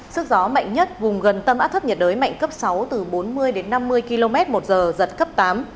sức gió mạnh nhất vùng gần tâm áp thấp nhiệt đới mạnh cấp sáu từ bốn mươi đến năm mươi km một giờ giật cấp tám